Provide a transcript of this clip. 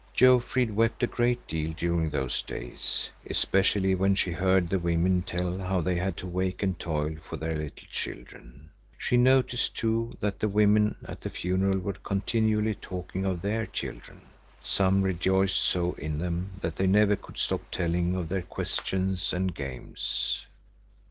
Jofrid wept a great deal during those days, especially when she heard the women tell how they had to wake and toil for their little children. She noticed, too, that the women at the funeral were continually talking of their children. Some rejoiced so in them that they never could stop telling of their questions and games.